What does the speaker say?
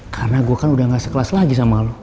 karena gue kan udah gak sekelas lagi sama lo